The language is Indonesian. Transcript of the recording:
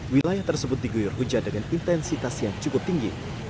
wilayah tersebut diguyur hujan dengan intensitas yang cukup tinggi